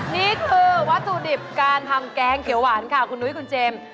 นี่คือวัตถุดิบการทำแกงเขียวหวานค่ะคุณนุ้ยคุณเจมส์